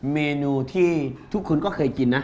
เมนูที่ทุกคนก็เคยกินนะ